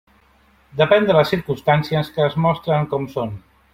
Depèn de les circumstàncies que es mostren com són.